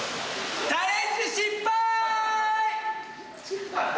チャレンジ失敗！